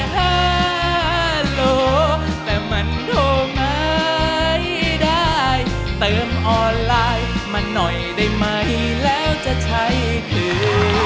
หน่อยได้ไหมแล้วจะใช้คืน